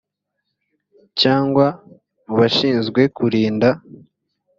cyangwa mu bashinzwe kurinda